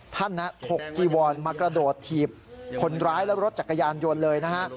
ท่านถกจีวอนมากระโดดถีบคนร้ายและรถจักรยานยนต์เลยนะฮะ